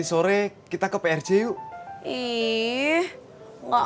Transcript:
di situ lagi ular goreng sejitusnya